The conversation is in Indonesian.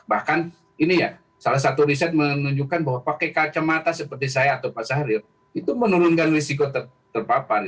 bahkan ini ya salah satu riset menunjukkan bahwa pakai kacamata seperti saya atau pak syahrir itu menurunkan risiko terpapar